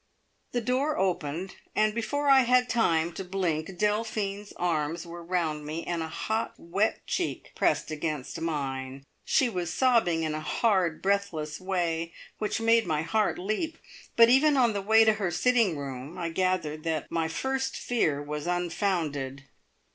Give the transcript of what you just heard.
The door opened, and before I had time to blink Delphine's arms were round me, and a hot, wet cheek pressed against mine. She was sobbing in a hard, breathless way which made my heart leap; but even on the way to her sitting room I gathered that my first fear was unfounded.